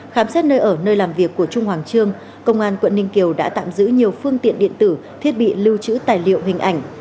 khám xét nơi ở nơi làm việc của trung hoàng trương công an quận ninh kiều đã tạm giữ nhiều phương tiện điện tử thiết bị lưu trữ tài liệu hình ảnh